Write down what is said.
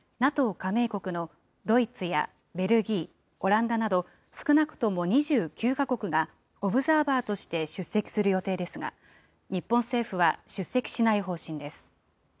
加盟国のドイツやベルギー、オランダなど、少なくとも２９か国が、オブザーバーとして出席する予定ですが、日本政府は出席しない方針です。